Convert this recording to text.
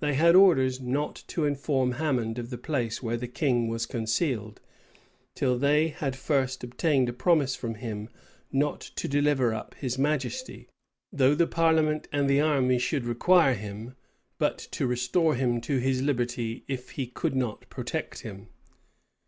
They had orders not to inform Hammond of the place where the king was concealed, till they had first obtained a promise from him not to deliver up his majesty, though the parliament and the army should require him; but to restore him to his liberty, if he could not protect him.